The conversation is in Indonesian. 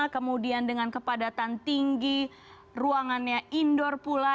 kemudian dengan kepadatan tinggi ruangannya indoor pula